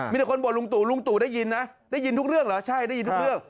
มีแต่คนบ่นลุงตู่ลุงตู่ได้ยินนะได้ยินทุกเรื่องเหรอใช่ได้ยินทุกเรื่อง